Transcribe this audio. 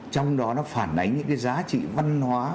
trong đó nó phản ánh những cái giá trị văn hóa